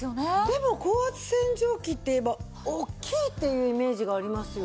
でも高圧洗浄機っていえばおっきいっていうイメージがありますよね。